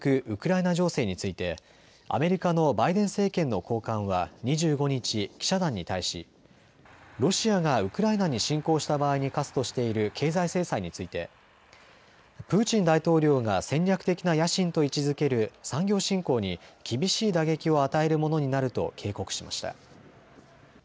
ウクライナ情勢についてアメリカのバイデン政権の高官は２５日、記者団に対しロシアがウクライナに侵攻した場合に科すとしている経済制裁についてプーチン大統領が戦略的な野心と位置づける産業振興に厳しい打撃を与えるものになると警告しました。